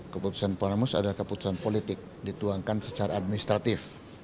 keputusan panus adalah keputusan politik dituangkan secara administratif